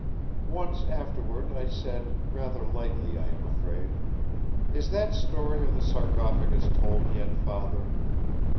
Once afterward I said, rather lightly I am afraid: 'Is that story of the sarcophagus told yet, Father?